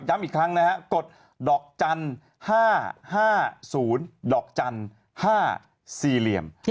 อีกครั้งนะฮะกดดอกจันทร์๕๕๐ดอกจันทร์๕๔เหลี่ยม